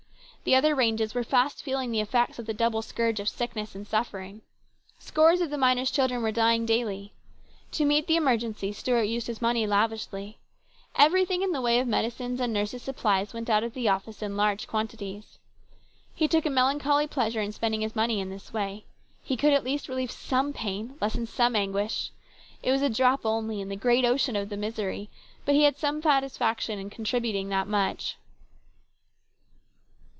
The other ranges were fast feeling the effects of the double scourge of sickness and suffering. Scores of the miners' children were dying daily. To meet the emergency Stuart used his money lavishly. Everything in the way of medicines and nurses' supplies went out of the office in large quantities. He took a melancholy pleasure in spending his money in this way. He could at least relieve some pain, lessen some anguish. It was a drop only in the great ocean of the misery, but he had some satisfaction in contributing that much.